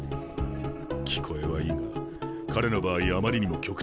聞こえはいいが彼の場合あまりにも極端すぎる。